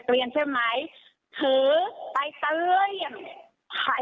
ช่างเหรอคะทำไมถึงพูดหรือคะ